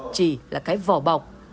chỉ là cái vỏ bọc